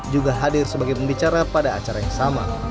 juga hadir sebagai pembicara pada acara yang sama